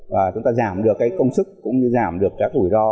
và chúng ta giảm được công sức cũng như giảm được các ủi lo